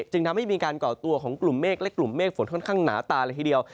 จึงทำให้มีการก่อตัวของกลุ่มเมฆและกลุ่มเมฆฝนค่อนข้างหนาตาเลยทีเดียว